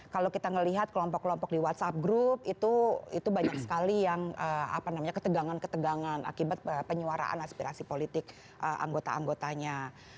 kalau kita melihat kelompok kelompok di whatsapp group itu banyak sekali yang ketegangan ketegangan akibat penyuaraan aspirasi politik anggota anggotanya